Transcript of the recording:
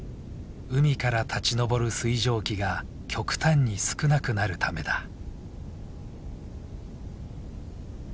海から立ち上る水蒸気が極端に少なくなるためだ。